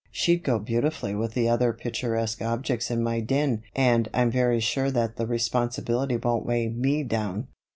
"She'd go beautifully with the other picturesque objects in my den and I'm very sure that the responsibility won't weigh me down."